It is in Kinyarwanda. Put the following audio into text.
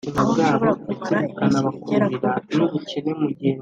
aho nshobora kumara iminsi igera ku icumi